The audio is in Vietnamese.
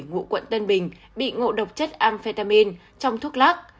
ngụ quận tân bình bị ngộ độc chất amphetamine trong thuốc lắc